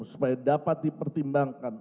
supaya dapat dipertimbangkan